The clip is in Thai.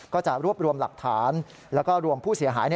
ก็จะรวบรวมหลักฐานแล้วก็รวมผู้เสียหาย